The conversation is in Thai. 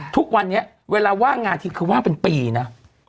ทุกวันนี้เวลาว่างงานทีคือว่างเป็นปีนะ